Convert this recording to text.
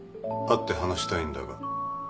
会って話したいんだが。